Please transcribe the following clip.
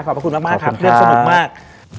พระคุณมากครับเรื่องสนุกมาก